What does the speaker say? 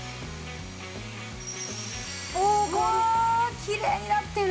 きれいになってる！